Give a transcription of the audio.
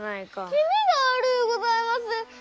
気味が悪うございます！